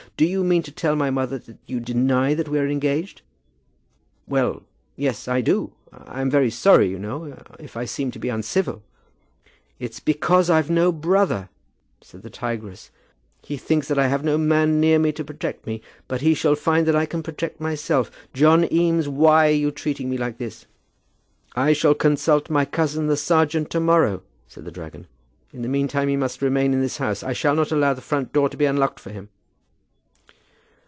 Do you mean to tell my mother that you deny that we are engaged?" "Well; yes; I do. I'm very sorry, you know, if I seem to be uncivil " "It's because I've no brother," said the tigress. "He thinks that I have no man near me to protect me. But he shall find that I can protect myself. John Eames, why are you treating me like this?" "I shall consult my cousin the serjeant to morrow," said the dragon. "In the meantime he must remain in this house. I shall not allow the front door to be unlocked for him."